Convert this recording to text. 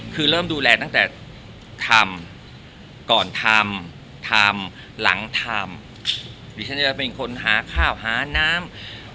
คือเริ่มดูแลตั้งแต่ทำก่อนทำทำหลังทำดิฉันจะเป็นคนหาข้าวหาน้ำ